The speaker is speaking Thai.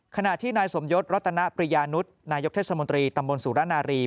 ขณะที่นายสมยศรัตนปริยานุษย์นายกเทศมนตรีตำบลสุรนารี